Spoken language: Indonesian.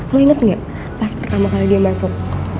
lo inget nggak pas pertama kali dia masuk